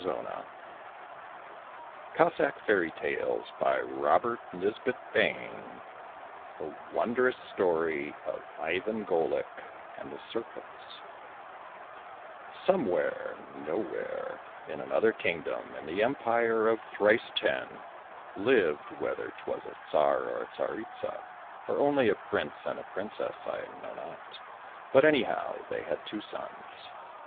263 THE WONDROUS STORY OF IVAN GOLIK AND THE SERPENTS THE WONDROUS STORY OF IVAN GOLIK AND THE SERPENTS SOMEWHERE, nowhere, in another kingdom, in the Empire of Thrice ten, lived — whether 'twas a Tsar and a Tsaritsa, or only a Prince and a Princess, I know not, but anyhow they had two sons.